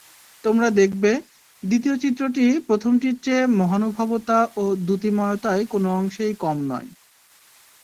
তোমরা দেখবে, দ্বিতীয় চিত্রটি প্রথমটির চেয়ে মহানুভবতা ও দ্যুতিময়তায় কোন অংশেই কম নয়।